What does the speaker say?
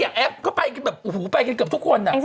แอ๊อฟก็ไปแบบไปกันเกือบทุกคนแต่